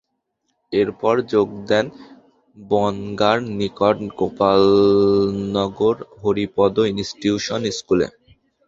এরপর যোগ দেন বনগাঁর নিকট গোপালনগর হরিপদ ইনস্টিটিউশন স্কুলে।